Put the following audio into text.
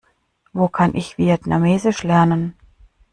Wo kann ich Vietnamesisch lernen?